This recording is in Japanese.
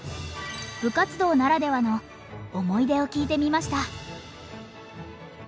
部活動ならではの思い出を聞いてみました。